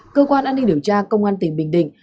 cơ quan an ninh điều tra công an tỉnh bình định